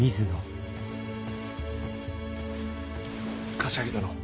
柏木殿。